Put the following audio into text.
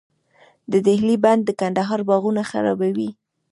د دهلې بند د کندهار باغونه خړوبوي.